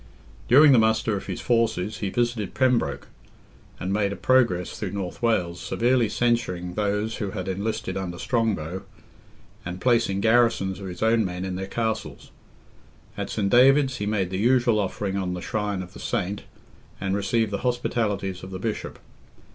During the muster of his forces he visited Pembroke, and made a progress through North Wales, severely censuring those who had enlisted under Strongbow, and placing garrisons of his own men in their castles. At Saint David's he made the usual offering on the shrine of the Saint and received the hospitalities of the Bishop.